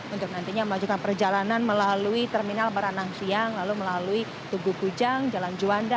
untuk nantinya melanjutkan perjalanan melalui terminal baranang siang lalu melalui tugu kujang jalan juanda